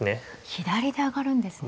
左で上がるんですね。